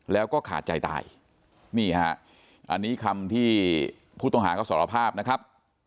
แล้วก็ขาดใจตายนี่ฮะอันนี้คำที่ผู้ต้องหาก็สารภาพนะครับ